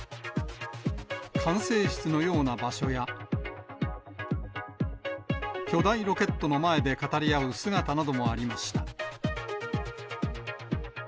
管制室のような場所や、巨大ロケットの前で語り合う姿などもありました。